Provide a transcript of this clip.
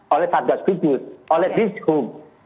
oleh satgas kugus oleh dizhub